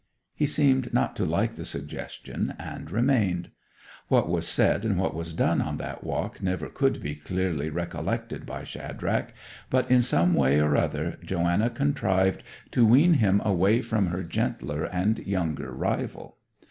He seemed not to like the suggestion, and remained. What was said and what was done on that walk never could be clearly recollected by Shadrach; but in some way or other Joanna contrived to wean him away from her gentler and younger rival.